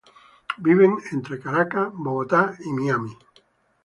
Vive entre Caracas, Bogotá y Miami.